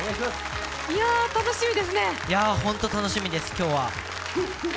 ホント楽しみです、今日は。